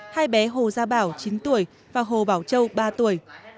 hai bé hồ gia bảo chín tuổi và hồ bảo châu ba tuổi